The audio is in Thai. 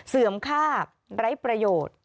เสื่อมค่าไร้ประโยชน์